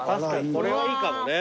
これはいいかもね。